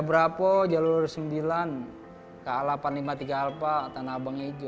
berapa jalur sembilan ka delapan ratus lima puluh tiga alpa tanah abang ejo